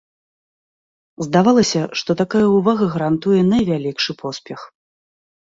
Здавалася, што такая ўвага гарантуе найвялікшы поспех.